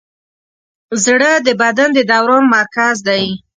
زړه د بدن د دوران مرکز دی.